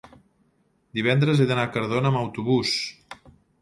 divendres he d'anar a Cardona amb autobús.